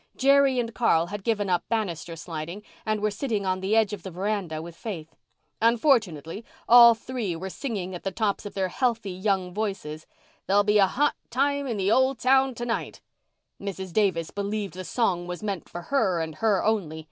Jerry and Carl had given up banister sliding and were sitting on the edge of the veranda with Faith. Unfortunately, all three were singing at the tops of their healthy young voices "There'll be a hot time in the old town to night." Mrs. Davis believed the song was meant for her and her only.